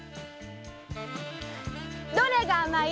どれが甘い？